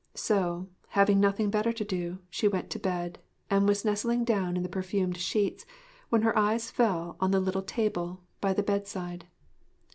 So, having nothing better to do, she went to bed, and was nestling down in the perfumed sheets when her eyes fell on the little table by the bedside.